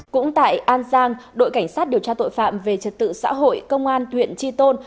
cũng tại an giang đội cảnh sát điều tra tội phạm về trật tự xã hội công an huyện tri tôn